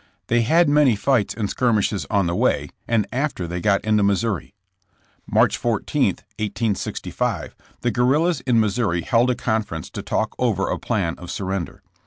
They had many fights and skirmishes on the way and after they got into Missouri. March 14, 1865, the guerrillas in Missouri held a conference to talk over a plan of surrender.